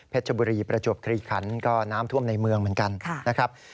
ชบุรีประจวบคลีขันก็น้ำท่วมในเมืองเหมือนกันนะครับ